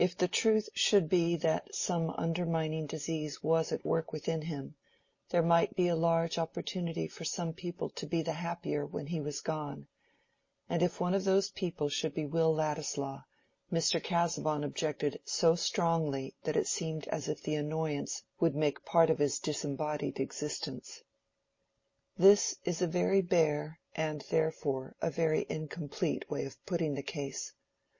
If the truth should be that some undermining disease was at work within him, there might be large opportunity for some people to be the happier when he was gone; and if one of those people should be Will Ladislaw, Mr. Casaubon objected so strongly that it seemed as if the annoyance would make part of his disembodied existence. This is a very bare and therefore a very incomplete way of putting the case.